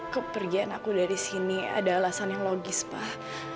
kepergian aku dari sini ada alasan yang logis pak